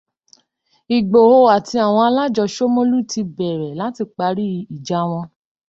Ìgbòho àti àwọ alájọ ṣómọ́lú ti bẹ̀rẹ̀ láti parí ìjà wọn